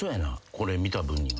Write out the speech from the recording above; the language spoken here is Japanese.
これ見た分には。